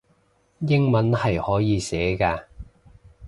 英文係可以寫嘅